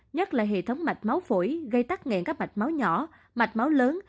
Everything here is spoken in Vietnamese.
nhất là hệ thống mạch máu phổi gây tắc nghẹn các mạch máu nhỏ mạch máu lớn